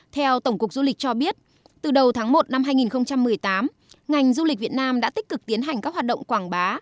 theo tổng cục du lịch cho biết từ đầu tháng một năm hai nghìn một mươi tám ngành du lịch việt nam đã tích cực tiến hành các hoạt động quảng bá